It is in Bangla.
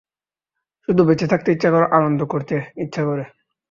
শুধু বেঁচে থাকতে ইচ্ছে করে আনন্দ করতে ইচ্ছা করে!